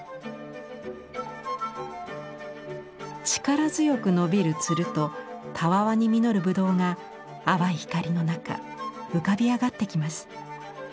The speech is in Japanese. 力強く伸びる蔓とたわわに実る葡萄が淡い光の中浮かび上がってきます。